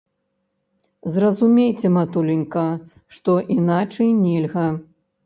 Зразумейце, матуленька, што іначай нельга.